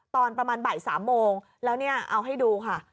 ตอนประมาณบ่าย๓โมงแล้วเนี่ยเอาให้ดูค่ะ